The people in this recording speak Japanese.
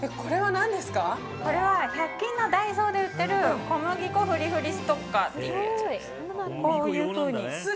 これは１００均のダイソーで売っている小麦粉ふりふりストッカーというやつです。